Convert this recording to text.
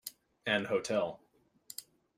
An hotel.